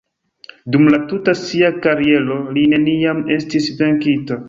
Dum la tuta sia kariero li neniam estis venkita.